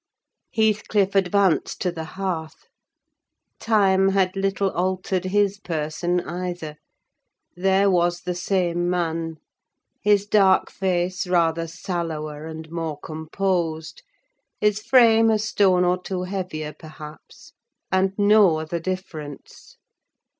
Heathcliff advanced to the hearth. Time had little altered his person either. There was the same man: his dark face rather sallower and more composed, his frame a stone or two heavier, perhaps, and no other difference.